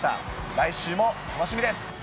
来週も楽しみです。